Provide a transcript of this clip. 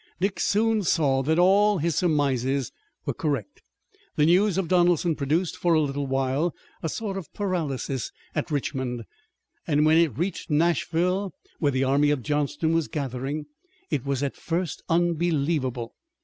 Dick soon saw that all his surmises were correct. The news of Donelson produced for a little while a sort of paralysis at Richmond, and when it reached Nashville, where the army of Johnston was gathering, it was at first unbelievable.